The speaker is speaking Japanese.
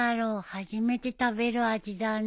初めて食べる味だね。